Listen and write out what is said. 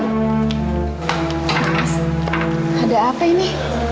mas ada apa ini